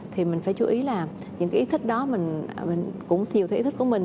thì mình phải chú ý là những cái ý thích đó mình cũng thiều theo ý thích của mình